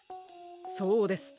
そうです。